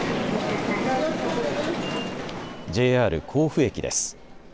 ＪＲ甲府駅です。